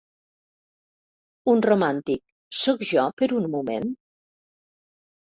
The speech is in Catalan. Un romàntic, sóc jo per un moment?